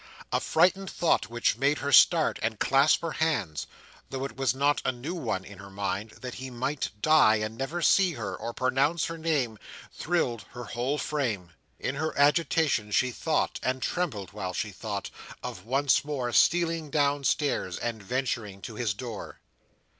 A frightened thought which made her start and clasp her hands—though it was not a new one in her mind—that he might die, and never see her or pronounce her name, thrilled her whole frame. In her agitation she thought, and trembled while she thought, of once more stealing downstairs, and venturing to his door.